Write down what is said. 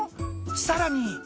さらに。